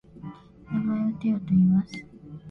名前をテョといいます。